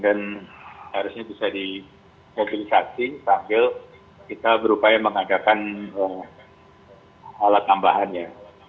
dan harusnya bisa dikonsentrasi sambil kita berupaya mengadakan alat tambahannya